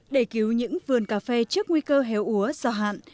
để cứu những vườn cà phê trước nguy cơ héo úa do hạn